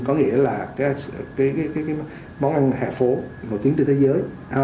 có nghĩa là cái món ăn hè phố nổi tiếng trên thế giới